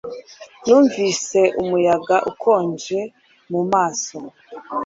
Numvise umuyaga ukonje mu maso